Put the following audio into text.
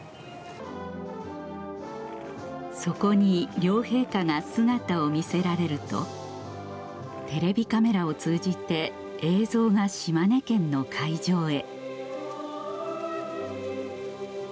そこに両陛下が姿を見せられるとテレビカメラを通じて映像が島根県の会場へ